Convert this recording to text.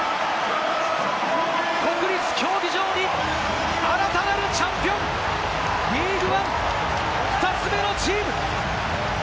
国立競技場に新たなるチャンピオン、リーグワン２つ目のチーム！